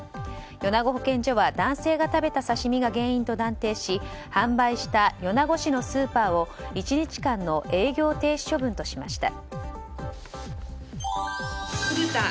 米子保健所は男性が食べた刺し身が原因と断定し販売した米子市のスーパーを１日間の営業停止処分としました。